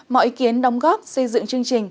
mọi ý kiến đóng góp xây dựng chương trình